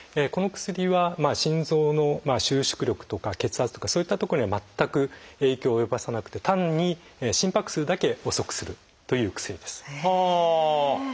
この薬は心臓の収縮力とか血圧とかそういったところには全く影響を及ぼさなくて単に心拍数だけ遅くするという薬です。はあ！